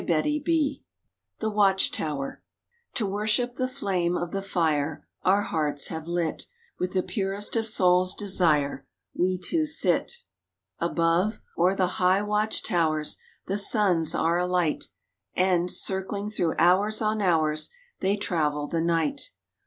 51 Ube Watcb XCovvev T O worship the flame of the fire Our hearts have lit With the purest of soul's desire, We two sit. Above, o'er the high watch towers The suns are alight And, circling through hours on hours, They travel the night.